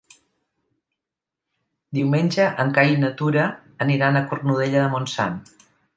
Diumenge en Cai i na Tura aniran a Cornudella de Montsant.